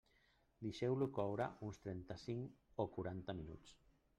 Deixeu-lo coure uns trenta-cinc o quaranta minuts.